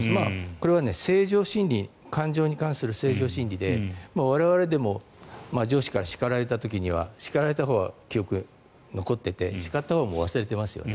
これは正常心理感情に関する正常心理で我々でも上司から叱られた時に叱られたほうは記憶に残っていて叱ったほうは忘れてますよね。